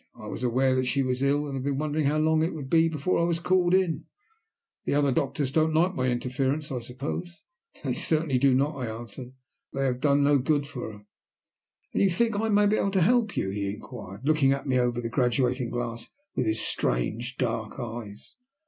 "I was aware that she was ill, and have been wondering how long it would be before I was called in. The other doctors don't like my interference, I suppose?" "They certainly do not," I answered. "But they have done no good for her." "And you think I may be able to help you?" he inquired, looking at me over the graduating glass with his strange, dark eyes.